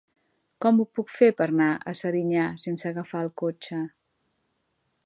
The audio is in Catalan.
Com ho puc fer per anar a Serinyà sense agafar el cotxe?